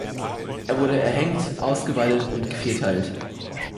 Er wurde erhängt, ausgeweidet und gevierteilt.